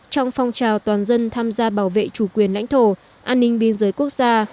trong phong trào toàn dân tham gia bảo vệ chủ quyền lãnh thổ an ninh biên giới quốc gia